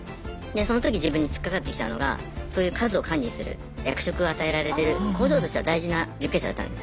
その時自分に突っかかってきたのがそういう数を管理する役職を与えられてる工場としては大事な受刑者だったんです。